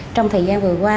trong thời gian vừa qua